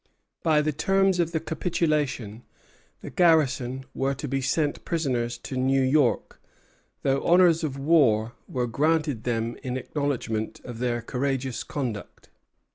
By the terms of the capitulation, the garrison were to be sent prisoners to New York, though honors of war were granted them in acknowledgment of their courageous conduct.